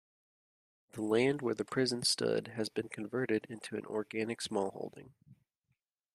The land where the prison stood has been converted into an organic smallholding.